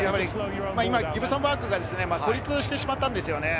ギブソン＝パークが孤立してしまったんですよね。